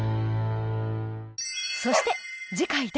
そして